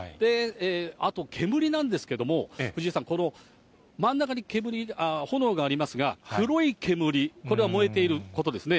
あと煙なんですけども、藤井さん、この真ん中に炎がありますが、黒い煙、これは燃えていることですね。